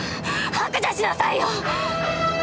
白状しなさい！